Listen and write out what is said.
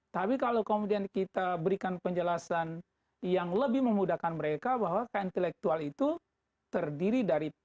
tapi kalau kemudian kita berikan penjelasan yang lebih memudahkan mereka bahwa keintelektual itu terdiri dari